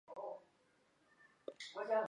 二为依市民权利或政权存在的国内法。